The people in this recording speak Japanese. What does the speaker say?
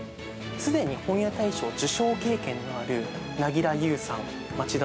すでに本屋大賞受賞経験のある凪良ゆうさん、町田